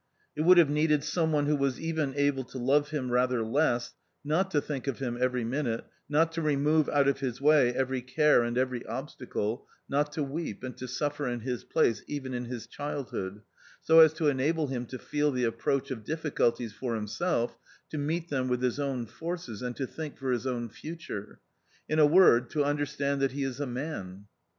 It would have needed some one who was even able to love him rather less, not to think of him every minute, not to remove out of his way every care and every obstacle, not to weep and to suffer in his place even in his childhood, so as to enable him to feel the approach of difficulties for himself, to meet them with his own forces, and to think for his own future — in a word, to understand that he is a man.